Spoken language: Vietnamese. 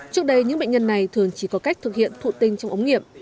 trước đây những bệnh nhân này thường chỉ có cách thực hiện thụ tinh trong ống nghiệm